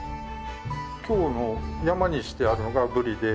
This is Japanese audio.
今日のやまにしてあるのがブリで。